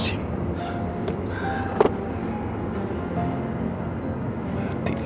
dia mati lagi